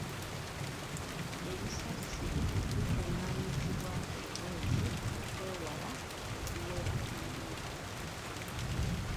Ebisasiro bikungaanyizibwa buli mwezi okwewala okuwera ennyo.